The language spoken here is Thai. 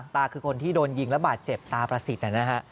ตาคือคนที่โดนยิงและบาดเจ็บตาประสิทธิ์นะฮะ